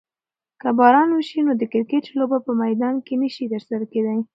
که باران وشي نو د کرکټ لوبه په میدان کې نشي ترسره کیدی.